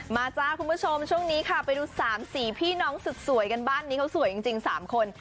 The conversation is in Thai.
จ้าคุณผู้ชมช่วงนี้ค่ะไปดู๓๔พี่น้องสุดสวยกันบ้านนี้เขาสวยจริง๓คน